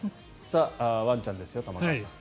ワンちゃんですよ玉川さん。